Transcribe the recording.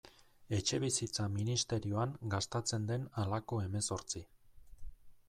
Etxebizitza ministerioan gastatzen den halako hemezortzi.